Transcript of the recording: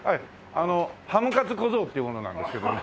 あのハムカツ小僧っていう者なんですけどもね。